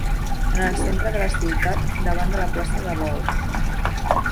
En el centre de la ciutat, davant de la plaça de bous.